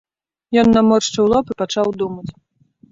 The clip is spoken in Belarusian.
Ён наморшчыў лоб і пачаў думаць.